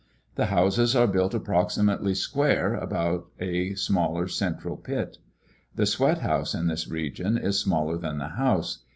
The houses are built approximately square about a smaller central pit. The sweat house in this region is smaller than the house.